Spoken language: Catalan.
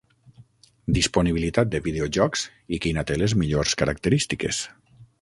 Disponibilitat de videojocs i quina té les millors característiques.